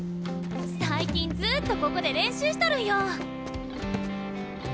最近ずっとここで練習しとるんよ。